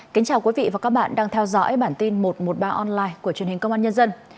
kính chào quý vị và các bạn đang theo dõi bản tin một trăm một mươi ba online của truyền hình công an nhân dân